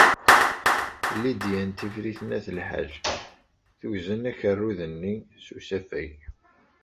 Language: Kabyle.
Lidya n Tifrit n At Lḥaǧ tuzen akerrud-nni s usafag.